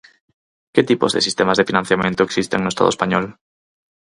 Que tipos de sistemas de financiamento existen no Estado español?